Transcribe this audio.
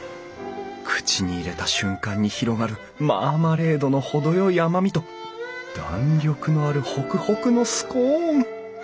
口に入れた瞬間に広がるマーマレードの程よい甘みと弾力のあるホクホクのスコーン！